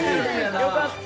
よかった！